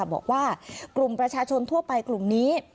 บอกว่ากลุ่มประชาชนทั่วไปกลุ่มนี้